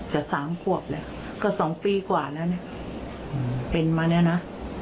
แต่สามครับแหละก็สองปีกว่าแล้วนี่เป็นมาเนี่ยนะ